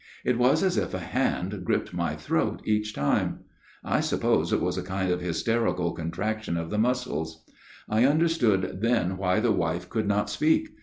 It was as if a hand gripped y throat each time. I suppose it was a kind of hysterical contraction of the muscles. I MONSIGNOR MAXWELL'S TALE 25 understood then why the wife could not speak.